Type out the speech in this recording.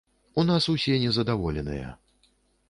У нас усе незадаволеныя.